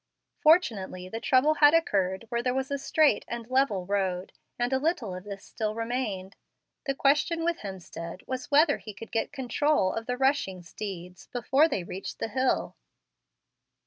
Fortunately the trouble had occurred where there was a straight and level road, and a little of this still remained. The question with Hemstead was whether he could get control of the rushing steeds before they reached the hill.